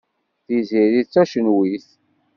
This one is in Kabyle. Tiziri d tacenwit.